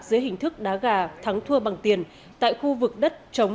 dưới hình thức đá gà thắng thua bằng tiền tại khu vực đất chống